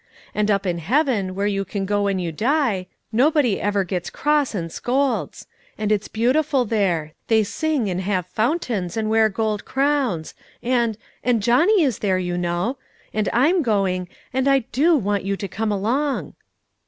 And up in heaven, where you can go when you die, nobody ever gets cross and scolds. And it's beautiful there: they sing, and have fountains, and wear gold crowns; and and Johnny is there, you know; and I'm going, and I do want you to come along."